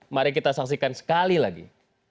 mari kita saksikan sekali lagi